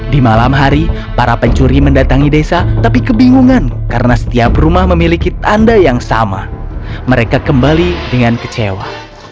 di malam hari para pencuri mendatangi desa tapi kebingungan karena setiap rumah memiliki tanda yang sama mereka kembali dengan kecewa